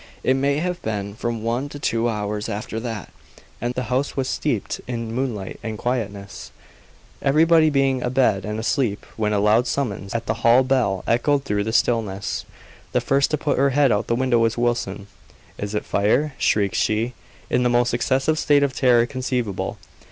It may have been from one to two hours after that, and the house was steeped in moonlight and quietness, everybody being abed and asleep when a loud summons at the hall bell echoed through the stillness. The first to put her head out the window was Wilson. "Is it fire?" shrieked she, in the most excessive state of terror conceivable.